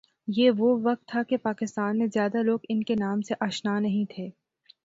یہ وہ وقت تھا کہ پاکستان میں زیادہ لوگ ان کے نام سے آشنا نہیں تھے